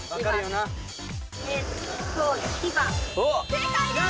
正解です！